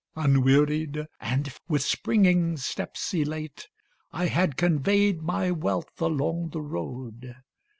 Unwearied, and with springing steps elate, I had conveyed my wealth along the road.